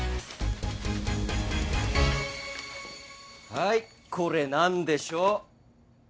はいこれ何でしょう？